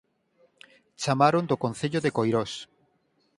Chamaron do Concello de Coirós